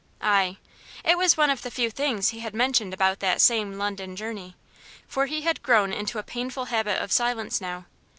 "Ay!" It was one of the few things he had mentioned about that same London journey, for he had grown into a painful habit of silence now.